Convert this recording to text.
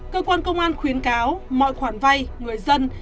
cơ quan công an khuyến cáo mọi khoản vay người dân